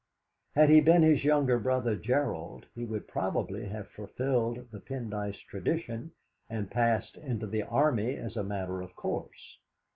Had he been his younger brother Gerald, he would probably have fulfilled the Pendyce tradition, and passed into the Army as a matter of course.